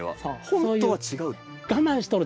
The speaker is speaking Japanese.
本当は違う。